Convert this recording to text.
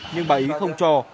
nhưng bà ý không cho